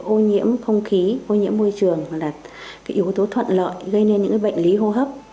ô nhiễm không khí ô nhiễm môi trường là yếu tố thuận lợi gây nên những bệnh lý hô hấp